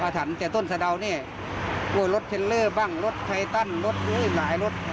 แต่ต้นสะดาวนี่รถเทลเลอร์บ้างรถไคตันรถหลายรถ